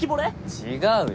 違うよ。